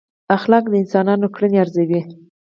اخلاق د انسانانو کړنې ارزوي.